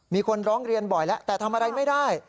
มีคนร้องเรียนบ่อยแล้วแต่ทำอะไรไม่ได้